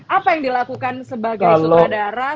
apa yang dilakukan sebagai suma darah